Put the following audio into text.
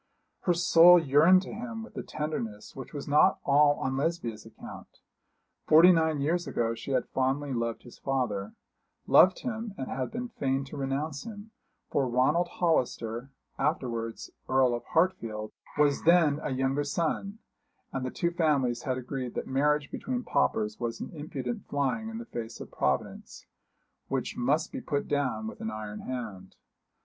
Her soul yearned to him with a tenderness which was not all on Lesbia's account. Forty nine years ago she had fondly loved his father loved him and had been fain to renounce him; for Ronald Hollister, afterwards Earl of Hartfield, was then a younger son, and the two families had agreed that marriage between paupers was an impudent flying in the face of Providence, which must be put down with an iron hand.